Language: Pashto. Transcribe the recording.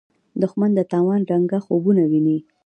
دښمن د تاوان رنګه خوبونه ویني